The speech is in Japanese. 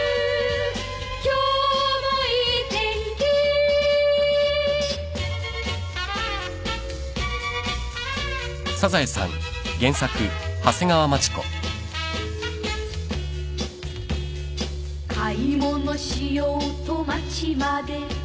「今日もいい天気」「買い物しようと街まで」